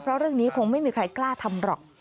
เพราะเรื่องนี้คงไม่มีใครกล้าทำหรอก